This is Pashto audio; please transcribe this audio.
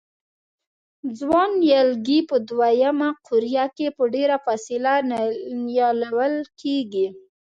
ځوان نیالګي په دوه یمه قوریه کې په ډېره فاصله نیالول کېږي.